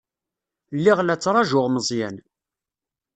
Lliɣ la ttṛajuɣ Meẓyan.